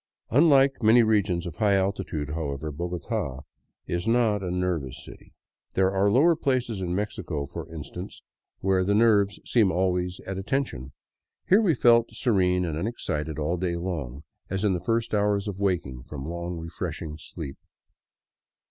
Unlike many regions of high altitude, however, Bogota is not a city. There are lower places in Mexico, for instance, 24 THE CLOISTERED CITY where the nerves seem always at a tension. Here we felt serene and unexcited all day long as in the first hours of waking from long refreshing sleep.